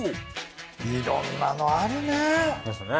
いろんなのあるね。ですね。